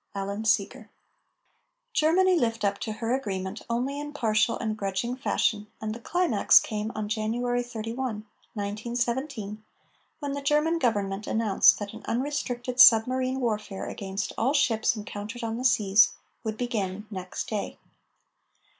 ALAN SEEGER. Germany lived up to her agreement only in partial and grudging fashion, and the climax came on January 31, 1917, when the German Government announced that an unrestricted submarine warfare against all ships encountered on the seas would begin next day.